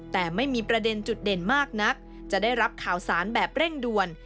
แต่ไม่มีประเด็นจุดเด่นมากนักจะได้รับข่าวสารแบบเร่งด่วน